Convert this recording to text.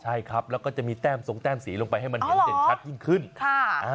ใช่ครับแล้วก็จะมีแต้มทรงแต้มสีลงไปให้มันเห็นเด่นชัดยิ่งขึ้นค่ะ